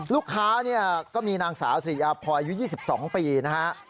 ลูกค้าก็มีนางสาวสิริยาพลอยอายุ๒๒ปีนะครับ